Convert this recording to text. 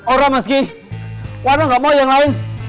orang maski warna gak mau yang lain